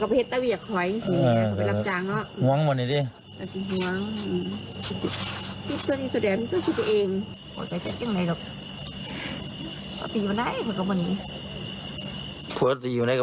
คือผัวก็ตีเอ้ยก็ตีแบบนี้มา